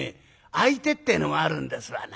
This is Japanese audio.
相手ってえのもあるんですわな。